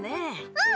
うん！